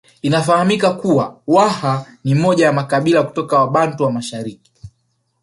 Inafahamika kuwa Waha ni moja ya makabila kutoka Wabantu wa mashariki